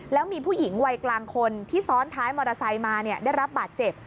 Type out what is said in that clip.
แล้วมีผู้หญิงวัยกลางคนที่ซ้อนท้ายมอเตอร์ไซค์มาได้รับบาดเจ็บ